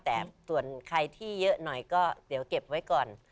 แต่ส่วนใครที่เยอะหน่อยก็เดี๋ยวเก็บไว้ก่อน